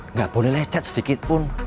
nggak boleh lecet sedikit pun